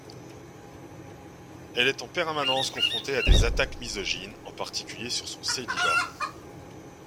Elle est en permanence confrontée à des attaques misogynes, en particulier sur son célibat.